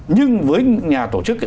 nhưng với nhà tổ chức